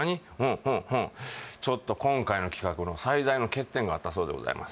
今回の企画の最大の欠点があったそうでございます